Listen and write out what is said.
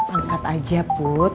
angkat aja put